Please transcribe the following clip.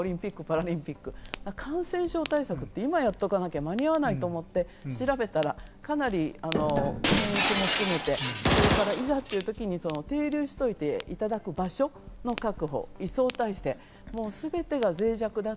感染症対策って今やっておかなければ間に合わないと思って調べたら、かなり検疫も含めて、いざという時、係留しておいていただく場所の確保、移送体制、その全てが脆弱だと。